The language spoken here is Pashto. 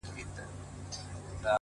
هره هڅه د راتلونکي برخه جوړوي